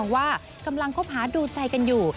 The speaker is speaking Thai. ว่ากำลังคบหาดูใจกันอยู่